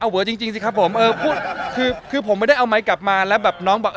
เอ้าเวอะจริงสิครับผมเออคือผมไม่ได้เอาไมค์กลับมาแล้วแบบน้องบอก